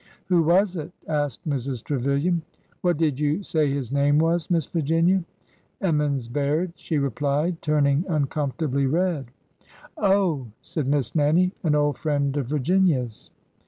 ''Who was it?" asked Mrs. Trevilian. " What did you say his name was. Miss Virginia ?"" Emmons Baird," she replied, turning uncomfortably red. " Oh !" said Miss Nannie. " An old friend of Vir ginia's."